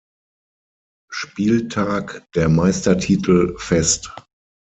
Spieltag der Meistertitel fest.